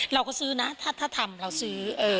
เราก็ซื้อนะถ้าทำเราซื้อ